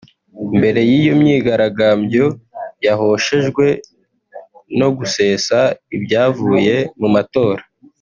Mbere y’iyo myigagambyo yahoshejwe no gusesa ibyavuye mu matora